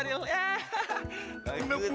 liat liat banget aril